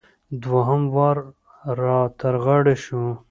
دوهم وار را تر غاړې شو.